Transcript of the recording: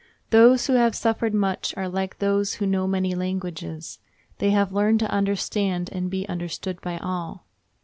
Those who have suffered much are like those who know many languages—they have learned to understand and be understood by all.